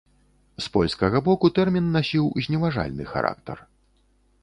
З польскага боку тэрмін насіў зневажальны характар.